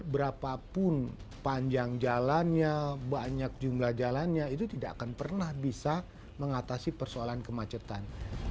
berapapun panjang jalannya banyak jumlah jalannya itu tidak akan pernah bisa mengatasi persoalan kemacetan